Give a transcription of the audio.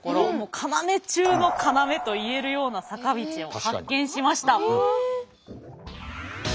要中の要と言えるような坂道を発見しました。